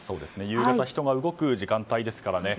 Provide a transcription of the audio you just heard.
夕方は人が動く時間帯ですからね。